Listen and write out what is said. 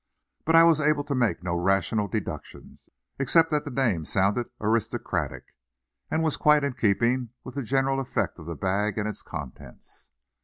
But I was able to make no rational deductions, except that the name sounded aristocratic, and was quite in keeping with the general effect of the bag and its contents.